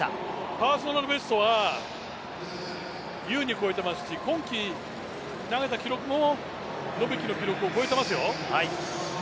パーソナルベストは優に超えていますし、今季投げた記録もノビキの記録を超えてますよ。